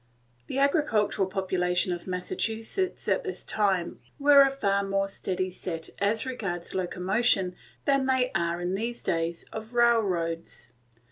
The agricultural population of Massachusetts, at this time, were a far more steady set as regards locomotion than they are in these days of railroads.